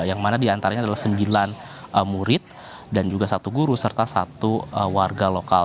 yang mana diantaranya adalah sembilan murid dan juga satu guru serta satu warga lokal